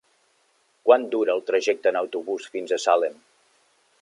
Quant dura el trajecte en autobús fins a Salem?